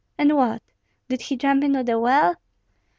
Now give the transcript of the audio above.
"And what? Did he jump into the well?"